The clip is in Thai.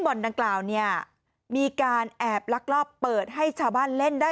บ่อนดังกล่าวเนี่ยมีการแอบลักลอบเปิดให้ชาวบ้านเล่นได้